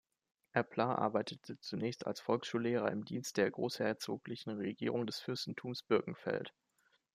Eppler arbeitete zunächst als Volksschullehrer im Dienst der Großherzoglichen Regierung des Fürstentums Birkenfeld.